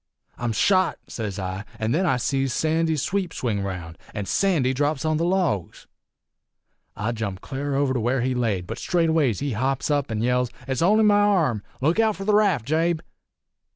"'I'm shot!' sez I; an' then I sees Sandy's sweep swing round, an' Sandy drops on the logs. "I jumped cl'ar over to where he laid, but straightways he hops up an' yells, 'It's only me arm! Look out for the raft, Jabe!'